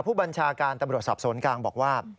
ผู้บัญชาการตำรวจสอบสวนกลางบอกว่า